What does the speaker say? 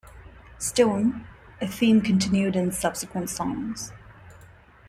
Stone, a theme continued in subsequent songs.